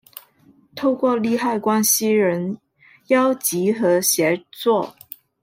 透過利害關係人邀集和協作